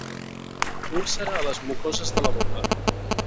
Úlcera a les mucoses de la boca.